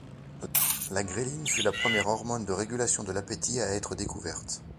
La ghréline fut la première hormone de régulation de l'appétit à être découverte.